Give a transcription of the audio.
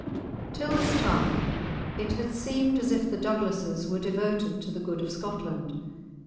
Till this time it had seemed as if the Douglases were devoted to the good of Scotland.